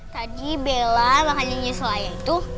tadi bela makan nyisul ayah itu